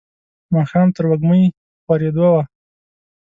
ماښام تروږمۍ په خورېدو وه.